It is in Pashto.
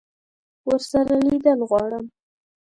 ورسره لیدل غواړم.